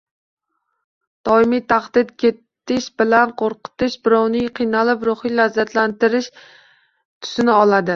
Doimiy tahdid, ketish bilan qo‘rqitish birovni qiynab ruhiy lazzatlanish tusini oladi.